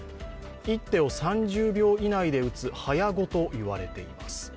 １手を３０秒以内で打つ早碁と言われています。